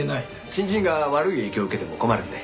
新人が悪い影響を受けても困るんで。